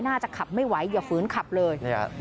ขับไม่ไหวอย่าฝืนขับเลย